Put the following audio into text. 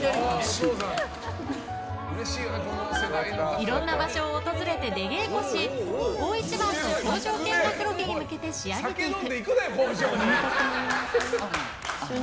いろんな場所を訪れて出稽古し大一番の工場見学ロケに向けて仕上げていく。